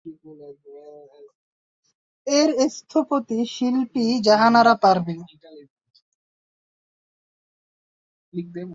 এর স্থপতি শিল্পী জাহানারা পারভীন।